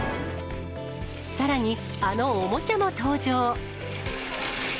さらに、あのおもちゃも登場。